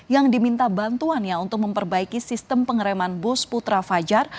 yang diminta bantuannya untuk memperbaiki sistem pengereman bus putra fajar